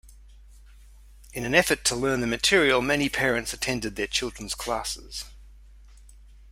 In an effort to learn the material, many parents attended their children's classes.